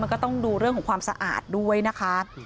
ก็ต้องดูเรื่องของความสะอาดด้วยนะคะ